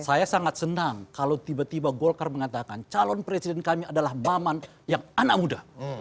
saya sangat senang kalau tiba tiba golkar mengatakan calon presiden kami adalah maman yang anak muda